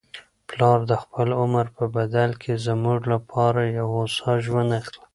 پلار د خپل عمر په بدل کي زموږ لپاره یو هوسا ژوند اخلي.